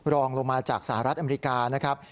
รองลงมาจากสหรัฐอเมริกานะครับ